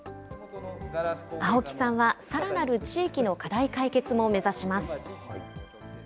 青木さんは、さらなる地域の課題解決も目指します。